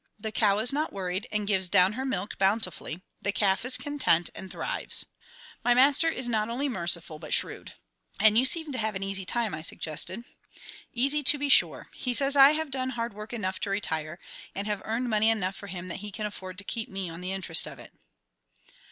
The cow is not worried, and gives down her milk bountifully; the calf is content and thrives. My master is not only merciful, but shrewd." "And you seem to have an easy time," I suggested. "Easy, to be sure. He says I have done hard work enough to retire, and have earned money enough for him that he can afford to keep me on the interest of it."